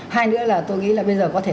hai nữa là tôi nghĩ là bây giờ có thể